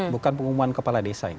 bukan pengumuman kepala desa